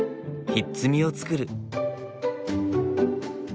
ひっつみを作る。